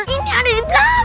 ini ada di belakang